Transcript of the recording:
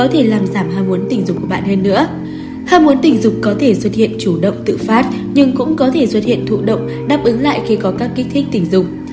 ham muốn tình dục có thể xuất hiện chủ động tự phát nhưng cũng có thể xuất hiện thụ động đáp ứng lại khi có các kích thích tình dục